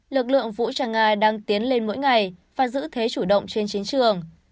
lực lượng vũ trang nga đang tiến lên mỗi ngày và giữ thế chủ động trên chiến trường